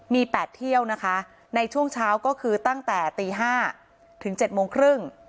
มี๘เที่ยวนะคะในช่วงเช้าก็คือตั้งแต่ตี๕ถึง๗โมงครึ่ง